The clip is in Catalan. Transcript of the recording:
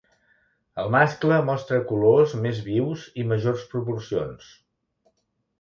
El mascle mostra colors més vius i majors proporcions.